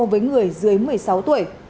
với người dưới một mươi sáu tuổi